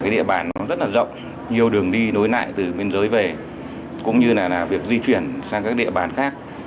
địa bàn rất rộng nhiều đường đi nối lại từ biên giới về cũng như là việc di chuyển sang các địa bàn khác